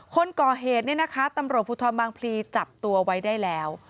คนก่อเหตุเนี่ยนะคะตำรวจภูทรบางพลีจับตัวไว้ได้แล้ว